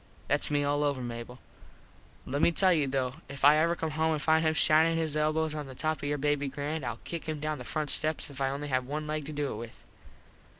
Thats me all over, Mable. Let me tell you though if I ever come home and find him shinin his elbos on the top of your baby grand Ill kick him down the front steps if I only have one leg to do it with.